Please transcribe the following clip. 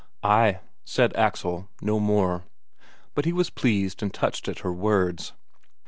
"Ay," said Axel, no more. But he was pleased and touched at her words.